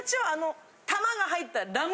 玉が入った。